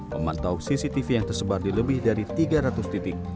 memantau cctv yang tersebar di lebih dari tiga ratus titik